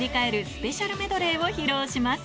スペシャルメドレーを披露します